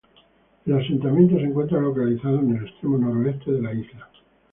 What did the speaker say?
El asentamiento se encuentra localizado en el extremo noreste de la isla.